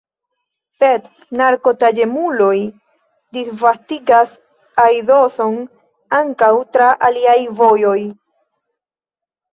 Sed narkotaĵemuloj disvastigas aidoson ankaŭ tra aliaj vojoj.